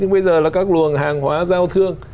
vườn hàng hóa giao thương